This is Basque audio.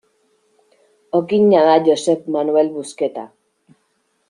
Okina da Josep Manel Busqueta.